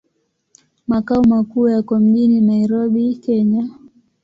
Makao makuu yako mjini Nairobi, Kenya.